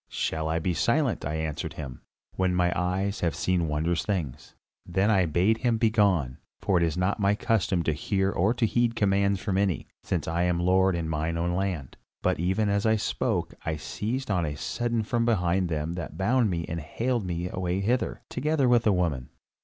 'Shall I be silent,' I answered him, 'when mine eyes have seen wondrous things?' Then I bade him begone, for it is not my custom to hear or to heed commands from any, since I am lord in mine own land. But even as I spoke I was seized on a sudden from behind by them that bound me and haled me away hither, together with the woman.